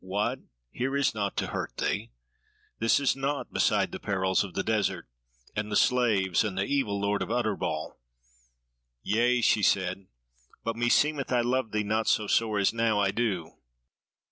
What! here is naught to hurt thee! this is naught beside the perils of the desert, and the slaves and the evil lord of Utterbol." "Yea," she said, "but meseemeth I loved thee not so sore as now I do.